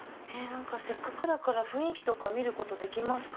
せっかくだから雰囲気とか見ることできますか？